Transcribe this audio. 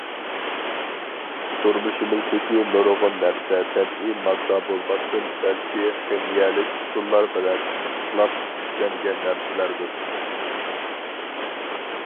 تۇرمۇشىمىزدىكى نۇرغۇن نەرسە تەبىئىي ماددا بولماستىن، بەلكى خىمىيەلىك ئۇسۇللار بىلەن پىششىقلاپ ئىشلەنگەن نەرسىلەردۇر.